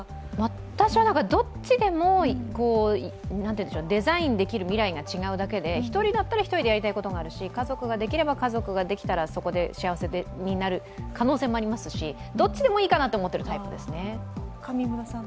私はどっちでもデザインできる未来が違うだけで、一人だったら一人でやりたいし、家族ができれば家族ができたらそこで幸せになれる可能性がありますしどっちでもいいかなと思っているタイプですね。